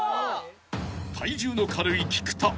［体重の軽い菊田］